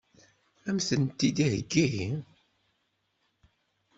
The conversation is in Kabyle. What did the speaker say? Ad m-tent-id-iheggi?